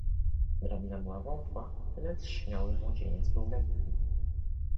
"Drabina była wątła, lecz śmiały młodzieniec był lekki."